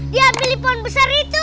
dia ambil ipon besar itu